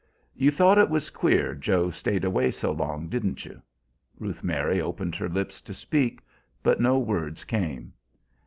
"You thought it was queer Joe stayed away so long, didn't you?" Ruth Mary opened her lips to speak, but no words came.